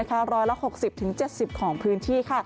๑๖๐๑๗๐ของพื้นที่